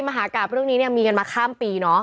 มหากราบเรื่องนี้มีกันมาข้ามปี